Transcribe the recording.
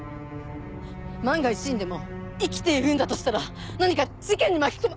万が一にでも生きているんだとしたら何か事件に巻き込ま。